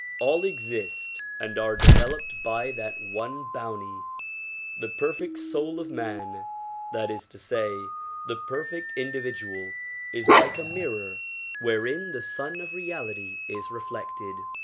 All exist and are developed by that one bounty. The perfect soul of man, that is to say, the perfect individual is like a mirror where in the Sun of Reality is reflected.